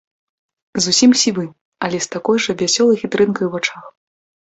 Зусім сівы, але з такой жа вясёлай хітрынкай у вачах.